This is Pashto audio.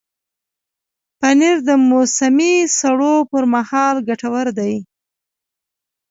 پنېر د موسمي سړو پر مهال ګټور دی.